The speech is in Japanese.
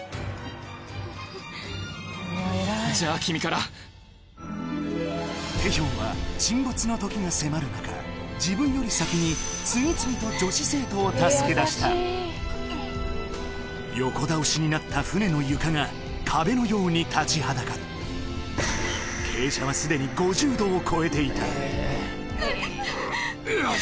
じゃ君からテヒョンは沈没の時が迫る中自分より先に次々と女子生徒を助けだした横倒しになった船の床が壁のように立ちはだかる傾斜はすでに５０度を超えていたよし！